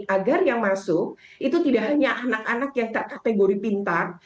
agar yang masuk itu tidak hanya anak anak yang terkategori pintar